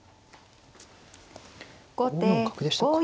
５四角でしたか。